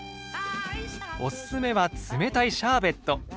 オススメは冷たいシャーベット。